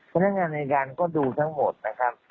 พนักงานในการก็ดูทั้งหมดนะครับ